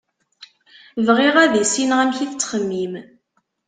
Bɣiɣ ad issineɣ amek i tettxemmim.